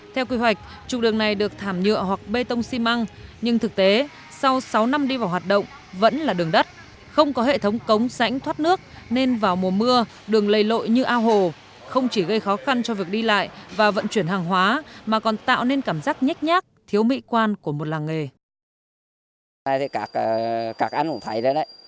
theo quy hoạch trục đường này được thảm nhựa hoặc bê tông xi măng nhưng thực tế sau sáu năm đi vào hoạt động vẫn là đường đất không có hệ thống cống sảnh thoát nước nên vào mùa mưa đường lây lội như ao hồ không chỉ gây khó khăn cho việc đi lại và vận chuyển hàng hóa mà còn tạo nên cảm giác nhét nhát thiếu mỹ quan của một làng nghề